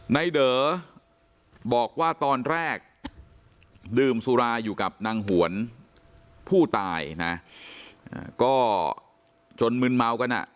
เด๋อบอกว่าตอนแรกดื่มสุราอยู่กับนางหวนผู้ตายนะก็จนมึนเมากันอ่ะ